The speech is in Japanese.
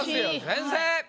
先生！